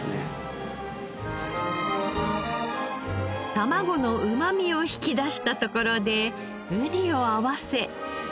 卵のうまみを引き出したところでうにを合わせ。